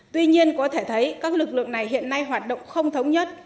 tuy nhiên có thể thấy các lực lượng này hiện nay hoạt động không thống nhất